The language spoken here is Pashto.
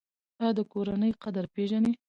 ایا د کورنۍ قدر پیژنئ؟